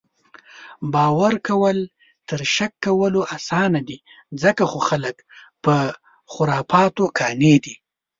باؤر کؤل تر شک کؤلو اسانه دي، ځکه خو خلک پۀ خُرفاتو قانع دي